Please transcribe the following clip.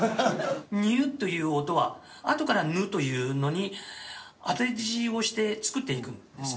「にゅ」という音はあとから「ぬ」というのに当て字をして作っていくんですね。